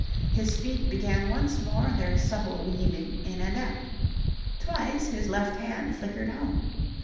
His feet began once more their subtle weaving in and out. Twice his left hand flickered home.